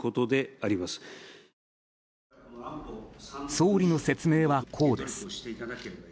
総理の説明はこうです。